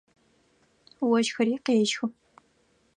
Ощхыри къещхы.